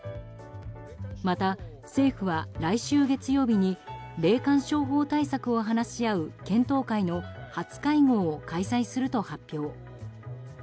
また、政府は来週月曜日に霊感商法対策を話し合う検討会の初会合を開催すると発表。